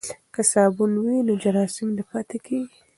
که صابون وي نو جراثیم نه پاتیږي.